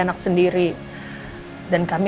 anak sendiri dan kami